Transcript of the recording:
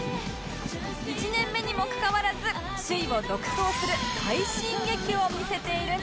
１年目にもかかわらず首位を独走する快進撃を見せているんです！